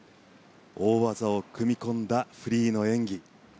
大技を組み込んだフリーの演技。